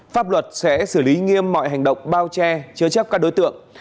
pháp luật sẽ xử lý nghiêm mọi hành động bao che chứa chấp các đối tượng